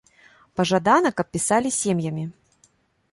Пажадана, каб пісалі сем'ямі.